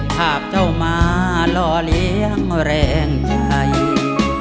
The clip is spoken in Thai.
ภาพเจ้ามาหล่อเลี้ยงแรงใจ